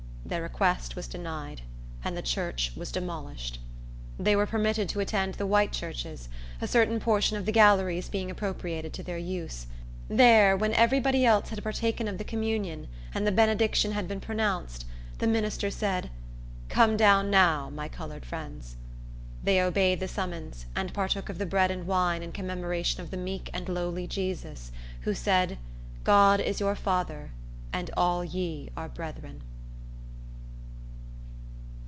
Their request was denied, and the church was demolished. They were permitted to attend the white churches, a certain portion of the galleries being appropriated to their use. There, when every body else had partaken of the communion, and the benediction had been pronounced, the minister said, "Come down, now, my colored friends." They obeyed the summons, and partook of the bread and wine, in commemoration of the meek and lowly Jesus, who said, "God is your Father, and all ye are brethren."